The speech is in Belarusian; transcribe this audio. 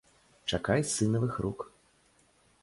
Чакай з сынавых рук.